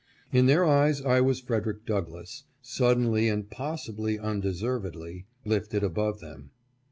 In their eyes I was Fred. Douglass, suddenly, and possibly undeservedly, lifted above them.